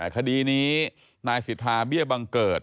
คดีนี้นายสิทธาเบี้ยบังเกิด